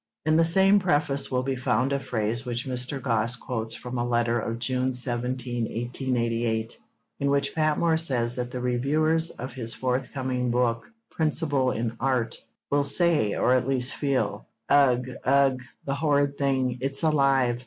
In the same preface will be found a phrase which Mr. Gosse quotes from a letter of June 17, 1888, in which Patmore says that the reviewers of his forthcoming book, Principle in Art, 'will say, or at least feel, "Ugh, Ugh! the horrid thing! It's alive!"